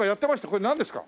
これなんですか？